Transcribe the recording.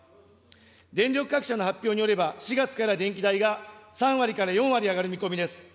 電力各社の発表によれば、４月から電気代が３割から４割上がる見込みです。